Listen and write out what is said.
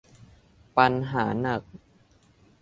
ปัญหาหนัก